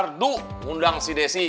harus farduh undang si desi